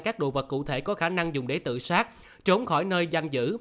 các đồ vật cụ thể có khả năng dùng để tự sát trốn khỏi nơi giam giữ